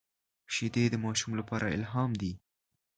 شیدې د ماشوم لپاره الهام دي